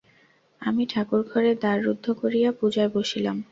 আমি ঠাকুরঘরে দ্বার রুদ্ধ করিয়া পূজায় বসিলাম।